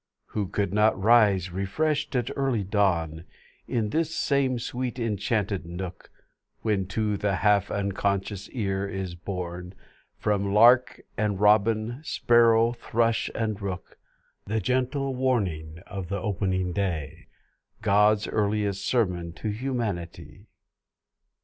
Who could not rise refreshed at early dawn In this same sweet, enchanted nook; When, to the half unconscious ear is borne, From Lark and Robin, Sparrow, Thrush and Rook, The gentle warning of the opening day God's earliest sermon to humanity!